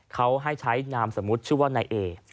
เขาให้ใช้นามสมมุติชื่อว่านายเอ